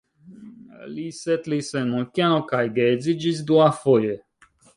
Li setlis en Munkeno kaj geedziĝis duafoje.